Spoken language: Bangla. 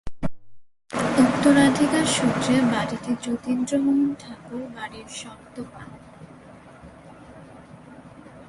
উত্তরাধিকার সূত্রে বাড়িটি যতীন্দ্রমোহন ঠাকুর বাড়ির স্বত্ব পান।